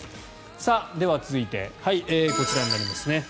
続いて、こちらになります。